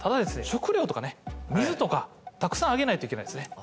食料とかね水とかたくさんあげないといけないですね。